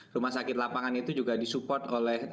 rumah sakit lapangan itu juga disupport oleh